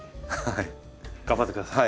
頑張ってください。